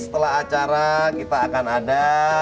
setelah acara kita akan ada